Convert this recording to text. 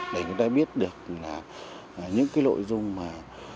để người ta biết được là những cái nội dung mà